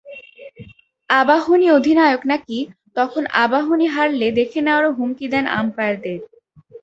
আবাহনী অধিনায়ক নাকি তখন আবাহনী হারলে দেখে নেওয়ারও হুমকি দেন আম্পায়ারদের।